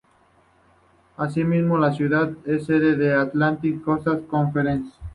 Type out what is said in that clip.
Asimismo, la ciudad es sede de la Atlantic Coast Conference.